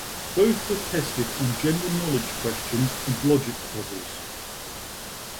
Both were tested on general knowledge questions and logic puzzles.